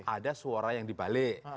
ada suara yang dibalik